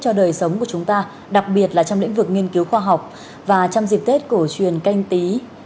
cho đời sống của chúng ta đặc biệt là trong lĩnh vực nghiên cứu khoa học và trong dịp tết cổ truyền canh tí hai nghìn hai mươi